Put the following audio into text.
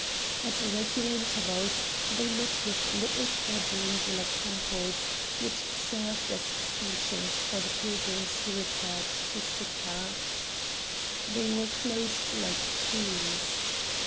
At regular intervals they met with little quadrangular temples, which served as stations for the pilgrims who repaired to Sicca. They were closed like tombs.